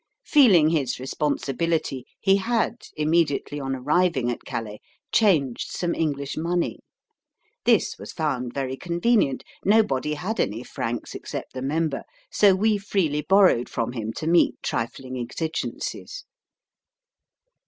Feeling his responsibility, he had, immediately on arriving at Calais, changed some English money. This was found very convenient. Nobody had any francs except the Member, so we freely borrowed from him to meet trifling exigencies.